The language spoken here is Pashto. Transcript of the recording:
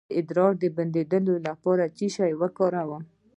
د ادرار د بندیدو لپاره باید څه شی وکاروم؟